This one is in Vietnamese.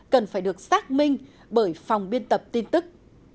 cần phải được xác minh bởi phòng biên tập tin tức